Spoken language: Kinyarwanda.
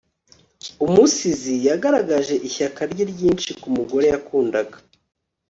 umusizi yagaragaje ishyaka rye ryinshi ku mugore yakundaga